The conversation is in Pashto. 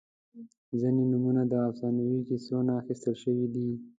• ځینې نومونه د افسانوي کیسو نه اخیستل شوي دي.